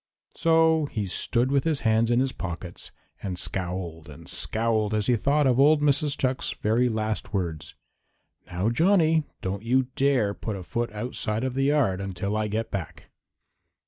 So he stood with his hands in his pockets and scowled and scowled as he thought of old Mrs. Chuck's very last words: "Now, Johnny, don't you dare put a foot outside of the yard until I get back."